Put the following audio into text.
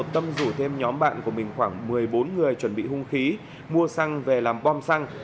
tâm rủ thêm nhóm bạn của mình khoảng một mươi bốn người chuẩn bị hung khí mua xăng về làm bom xăng